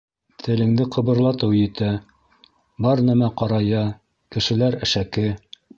Телеңде ҡыбырлатыу етә, бар нәмә ҡарая, кешеләр әшәке.